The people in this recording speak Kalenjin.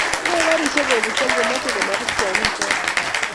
yae karishek kobutso ngomeche komarus tyongichoto